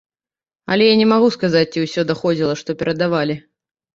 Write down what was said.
Але я не магу сказаць, ці ўсё даходзіла, што перадавалі.